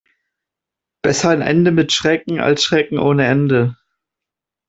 Besser ein Ende mit Schrecken, als Schrecken ohne Ende.